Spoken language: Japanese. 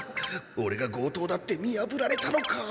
オレが強盗だって見やぶられたのか！？